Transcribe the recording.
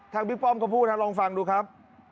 ทางพิพลมเขาพูดทางลองฟังดูครับ